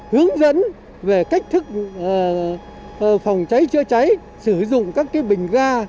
hướng dẫn về cách thức phòng cháy chữa cháy sử dụng các bình ga